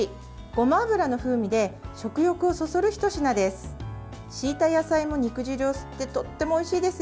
ごま油の風味で食欲をそそるひと品です。